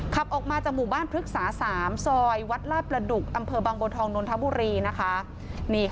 ขับออกมาจากหมู่บ้านพฤกษา๓ซอยวัดลาดประดุกอำเภอบางบัวทองนนทบุรีนะคะ